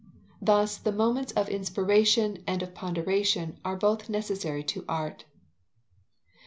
Thus the moments of inspiration and of ponderation are both necessary to art.